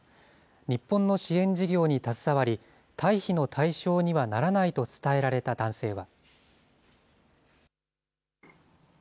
日本の支援事業に携わり、退避の対象にはならないと伝えられた男性は。